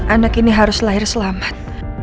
anak ini harus lahir selamat